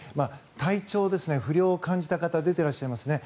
体調不良を感じた方出ていらっしゃいますね。